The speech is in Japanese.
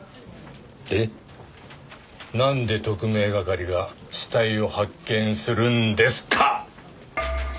でなんで特命係が死体を発見するんですか？